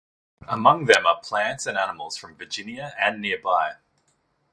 Among them are plants and animals from Virginia and nearby.